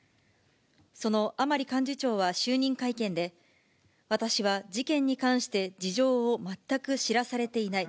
その甘利幹事長は就任会見で、私は事件に関して事情を全く知らされていない。